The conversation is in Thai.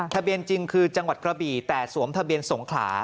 จริงคือจังหวัดกระบี่แต่สวมทะเบียนสงขลา